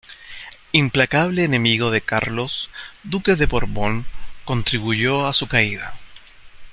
Implacable enemigo de Carlos, Duque de Borbón, contribuyó a su caída.